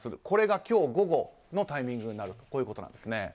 これが今日午後のタイミングになるということです。